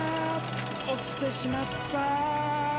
落ちてしまった。